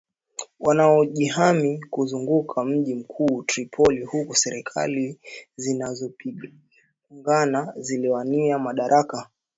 wanaojihami kuzunguka mji mkuu Tripoli huku serikali zinazopingana zikiwania madaraka